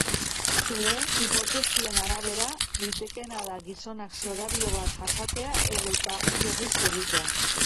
Lehen hipotesien arabera, litekeena da gizonak zorabio bat jasatea edota irrist egitea.